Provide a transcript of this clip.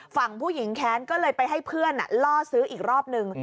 ฝั่งผู้หญิงแค้นก็เลยไปให้เพื่อนล่อซื้ออีกรอบนึง